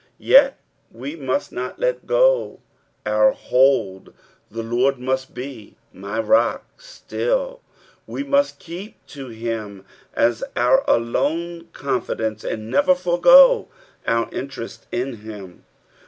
Yet wc must not let go our hold, the Lord must be " my" rock still ; we must keep to him as OUT aione confidence, and never forego our interest in him.